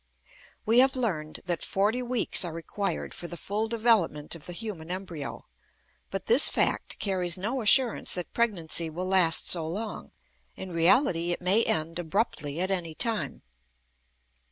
We have learned that forty weeks are required for the full development of the human embryo, but this fact carries no assurance that pregnancy will last so long; in reality, it may end abruptly at any time.